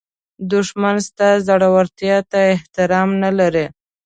دښمن ستا زړورتیا ته احترام نه لري